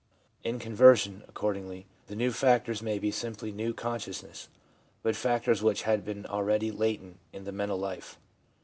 In conversion, accordingly, the new factors may be simply new to consciousness, but factors which had been already latent in the mental life.